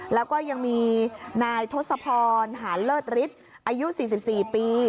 แล้วก็ยังมีนายทศพรหานเลิศฤทธิ์อายุ๔๔ปี